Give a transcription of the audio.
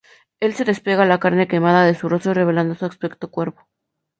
Él se despega la carne quemada de su rostro, revelando su aspecto cuervo.